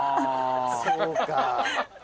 そうか。